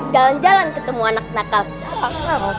jalan jalan ketemu anak anak kal